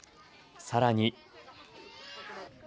さらに。